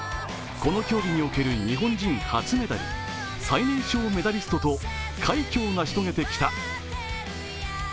この競技における日本人初メダル、最年少メダリストと快挙を成し遂げてきた。